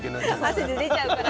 汗で出ちゃうからね。